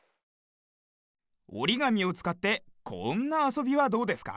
おりがみをつかってこんなあそびはどうですか？